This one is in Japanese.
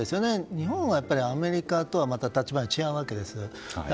日本はやっぱり、アメリカとはまた立場が違うわけですから。